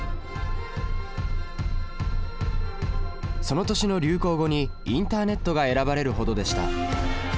その年の流行語に「インターネット」が選ばれるほどでした。